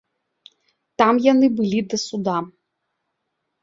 Там яны былі да суда.